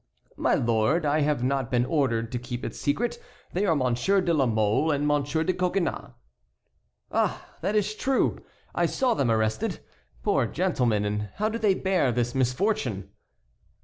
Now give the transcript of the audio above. "My lord, I have not been ordered to keep it secret. They are Monsieur de la Mole and Monsieur de Coconnas." "Ah! that is true. I saw them arrested. Poor gentlemen, and how do they bear this misfortune?"